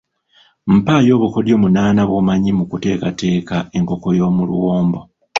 Mpaayo obukodyo munaana bw’omanyi mu kuteekateeka enkoko y’omu luwombo.